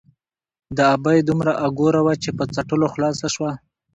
ـ د ابۍ دومره اګوره وه ،چې په څټلو خلاصه شوه.